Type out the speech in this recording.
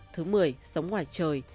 thứ mười sống ngoài trời